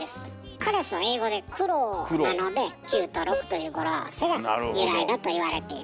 カラスは英語で「Ｃｒｏｗ」なので９と６という語呂合わせが由来だといわれています。